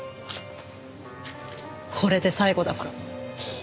これで最後だから。